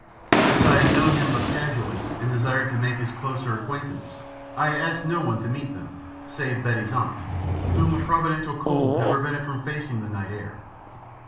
As I had known him but casually and desired to make his closer acquaintance, I had asked no one to meet them, save Betty's aunt, whom a providential cold had prevented from facing the night air.